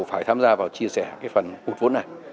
phải tham gia và chia sẻ phần hột vốn này